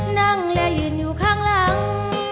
นั่งและยืนอยู่ข้างหลัง